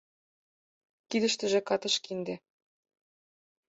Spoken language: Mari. Кидыштыже катыш кинде.